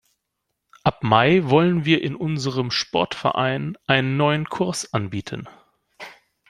Ab Mai wollen wir in unserem Sportverein einen neuen Kurs anbieten.